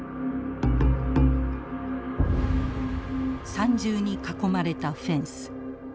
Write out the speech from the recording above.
三重に囲まれたフェンス。